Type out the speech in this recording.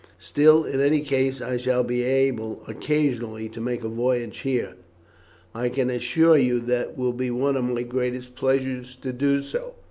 Still in any case I shall be able occasionally to make a voyage here; and I can assure you that it will be one of my greatest pleasures to do so."